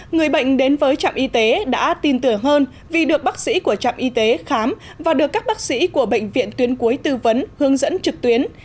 người bệnh đến với trạm y tế đã tin tưởng hơn vì được bác sĩ của trạm y tế khám và được các bác sĩ của bệnh viện tuyến cuối tư vấn hướng dẫn trực tuyến